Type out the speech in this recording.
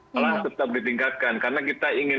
malah tetap ditingkatkan karena kita ingin